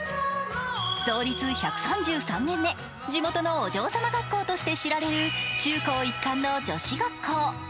創立１３３年目、地元のお嬢様学校として知られる中高一貫の女子学校。